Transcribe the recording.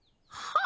ああ。